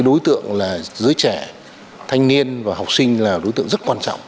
đối tượng là giới trẻ thanh niên và học sinh là đối tượng rất quan trọng